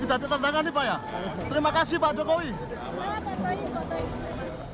sudah ditandatangani pak terima kasih pak jokowi